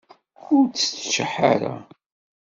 Ur tteččeḥ ara!